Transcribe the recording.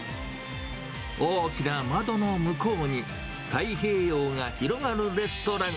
大きな窓の向こうに、太平洋が広がるレストラン。